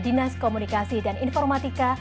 dinas komunikasi dan informatika